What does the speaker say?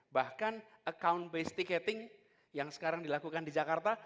bahkan account based ticketing yang sekarang dilakukan di jakarta